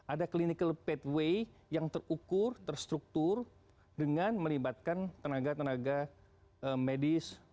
ada clinical pathway yang terukur terstruktur dengan melibatkan tenaga tenaga medis